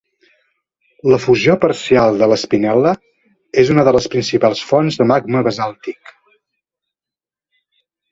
La fusió parcial de l'espinel·la és una de les principals fonts del magma basàltic.